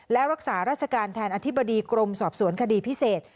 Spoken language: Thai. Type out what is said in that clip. และรักษาราชการแทนอธิบดีกรมสอบสวนคดีพิเศษ